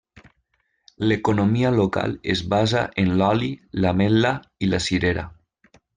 L'economia local es basa en l'oli, l'ametla i la cirera.